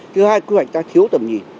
thứ hai quy hoạch ta thiếu tầm nhìn